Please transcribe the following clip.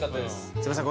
すいません